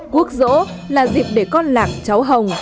quốc dỗ là dịp để con lạc cháu hồng